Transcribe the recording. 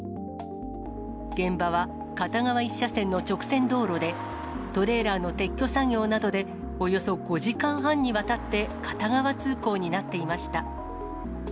現場は片側１車線の直線道路で、トレーラーの撤去作業などで、およそ５時間半にわたって、片側通行になっていました。